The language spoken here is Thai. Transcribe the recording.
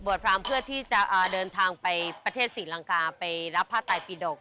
พรามเพื่อที่จะเดินทางไปประเทศศรีลังกาไปรับผ้าไตปีดก